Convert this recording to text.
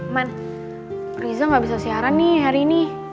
man riza gak bisa siaran nih hari ini